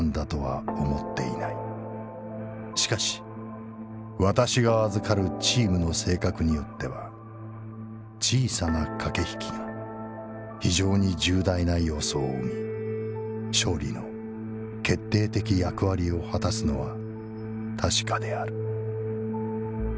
しかし私が預るチームの性格によっては小さな掛引きが非常に重大な要素を生み勝利の決定的役割を果すのは確かである」。